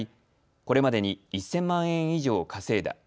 これまでに１０００万円以上稼いだ。